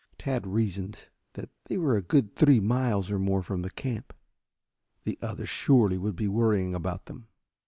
Tad reasoned that they were a good three miles or more from the camp. The others surely would be worrying about them.